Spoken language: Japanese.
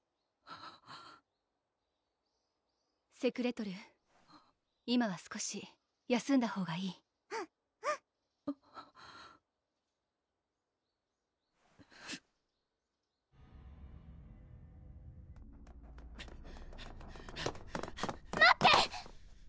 セクレトルー今は少し休んだほうがいいうんうん待って！